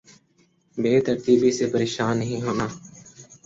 بے ترتیبی سے پریشان نہیں ہوتا